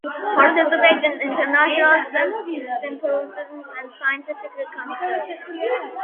Participates in international symposiums and scientific conferences.